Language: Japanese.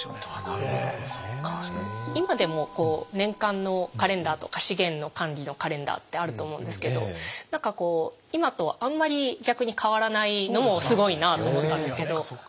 今でもこう年間のカレンダーとか資源の管理のカレンダーってあると思うんですけど何かこう今とあんまり逆に変わらないのもすごいなあと思ったんですけど。